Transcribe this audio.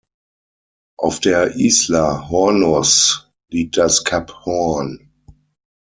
Auf der Isla Hornos liegt das Kap Hoorn.